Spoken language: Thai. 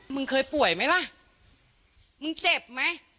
มึงเคยป่วยไหมล่ะมึงเจ็บไหม